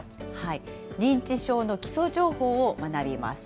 認知症の基礎情報を学びます。